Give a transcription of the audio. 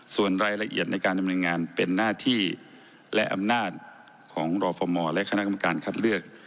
ส่วนรายละเอียดในการดำเนินงานเป็นหน้าที่และอำนาจของรอฟมและคณะกรรมการคัดเลือก